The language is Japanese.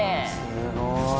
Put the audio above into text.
すごい。